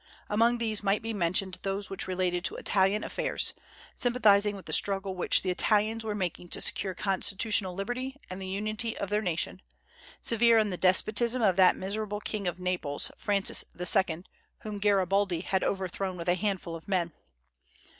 Among these might be mentioned those which related to Italian affairs, sympathizing with the struggle which the Italians were making to secure constitutional liberty and the unity of their nation, severe on the despotism of that miserable king of Naples, Francis II., whom Garibaldi had overthrown with a handful of men.